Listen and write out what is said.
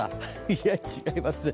いや、違いますね。